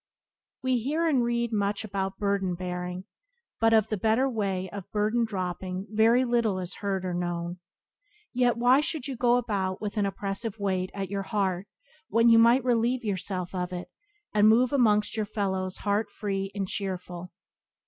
E hear and read much about burden bearing, but of the better way of burden dropping very little is heard or known. Yet why should you go about with an oppressive weight at your heart when you might relieve yourself of it and move amongst your fellows heart free and cheerful?